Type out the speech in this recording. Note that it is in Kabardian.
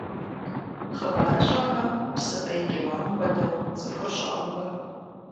Хъыбарыщӏэхэм псы фӏей къиуам хуэдэу цӏыхур щӏаӏубэ.